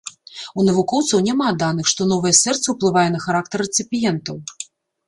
У навукоўцаў няма даных, што новае сэрца ўплывае на характар рэцыпіентаў.